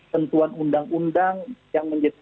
tentuan undang undang yang menjadi